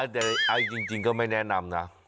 แต่เอาจริงก็ไม่แนะนำนะ